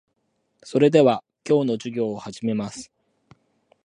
それでは、今日の授業を始めます。